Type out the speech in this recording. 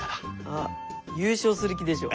あっ優勝する気でしょ。